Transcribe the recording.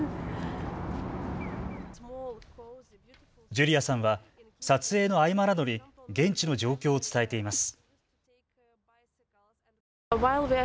ジュリアさんは撮影の合間などに現地の状況を伝えています。